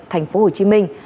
thành phố hồ chí minh